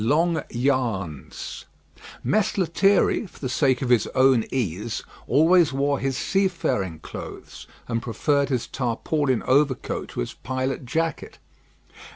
X LONG YARNS Mess Lethierry, for the sake of his own ease, always wore his seafaring clothes, and preferred his tarpaulin overcoat to his pilot jacket.